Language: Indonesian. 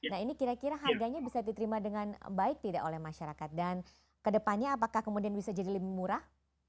nah ini kira kira harganya bisa diterima dengan baik tidak oleh masyarakat dan kedepannya apakah kemudian bisa jadi lebih murah